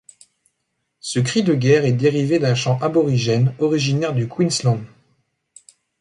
Ce cri de guerre est dérivé d'un chant aborigène, originaire du Queensland.